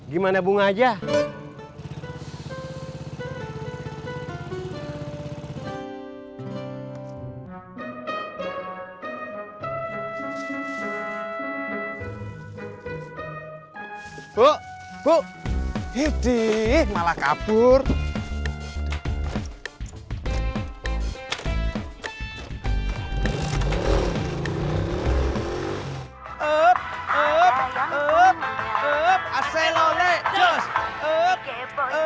hancurnya biubal pria itu